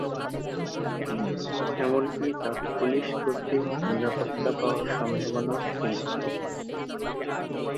এমনকি তার পুলিশ কর্তৃক নিরাপত্তা পাওয়ার সম্ভাবনাও ক্ষীণ।